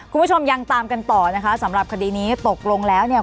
คุณผู้ชมยังตามกันต่อนะคะสำหรับคดีนี้ตกลงแล้วเนี่ย